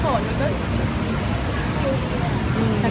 ก็เลยรู้สึกว่าตอนนี้ส่วนมันก็คิด